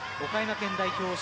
岡山県代表